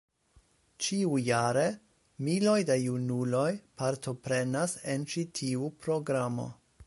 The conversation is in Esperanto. Ĉiujare, miloj da junuloj partoprenas en ĉi tiu programo.